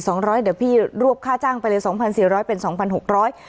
สองร้อยเดี๋ยวพี่รวบค่าจ้างไปเลยสองพันสี่ร้อยเป็นสองพันหกร้อย